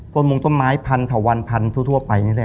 พลงมงต้นไม้พันธุวรรมถาวรทุ่วร์ทั่วแบบนี้แหละ